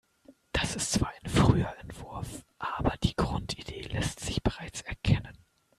Das ist zwar ein früher Entwurf, aber die Grundidee lässt sich bereits erkennen.